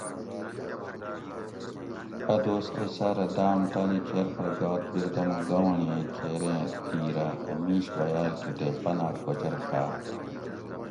اۤ دوس ائ سارہ دام تانی کھیر پھر گات بیردمو گاونڑییں کھیریں دھیرہ ا میش بیال تھو تے پنار کوچۤر ڛاۤت